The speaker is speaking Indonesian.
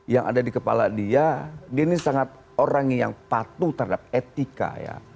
yang ada di kepala dia dia ini sangat orang yang patuh terhadap etika ya